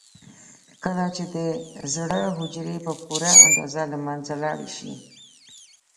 کله چې د زړه حجرې په پوره اندازه له منځه لاړې شي.